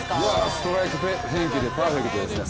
ストライク返球でパーフェクトですね。